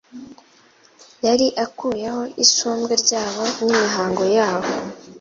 Yari akuyeho isumbwe ryabo n'imihango yabo